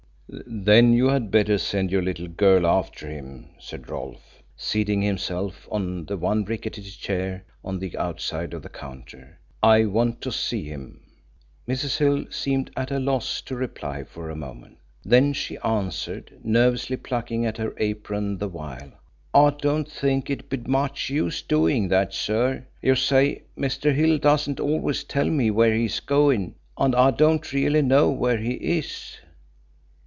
"Then you had better send your little girl after him," said Rolfe, seating himself on the one rickety chair on the outside of the counter. "I want to see him." Mrs. Hill seemed at a loss to reply for a moment. Then she answered, nervously plucking at her apron the while: "I don't think it'd be much use doing that, sir. You see, Mr. Hill doesn't always tell me where he's going and I don't really know where he is."